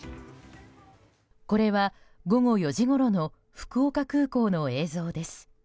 これは午後４時ごろの福岡空港の映像です。